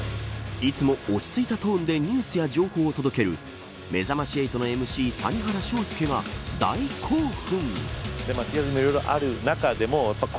いつも落ち着いたトーンでニュースや情報を届けるめざまし８のＭＣ、谷原章介が大興奮。